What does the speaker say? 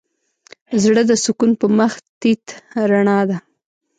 زړه د سکون په مخ تيت رڼا ده.